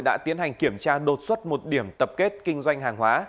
đã tiến hành kiểm tra đột xuất một điểm tập kết kinh doanh hàng hóa